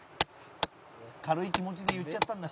「軽い気持ちで言っちゃったんだ」